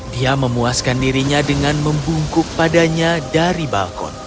dia memuaskan dirinya dengan membungkuk padanya dari balkon